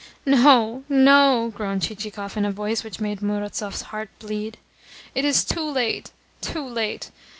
"No, no!" groaned Chichikov in a voice which made Murazov's heart bleed. "It is too late, too late.